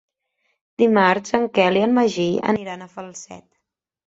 Dimarts en Quel i en Magí aniran a Falset.